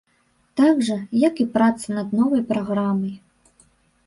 Так жа, як і праца над новай праграмай.